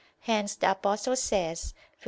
Hence the Apostle says (Phil.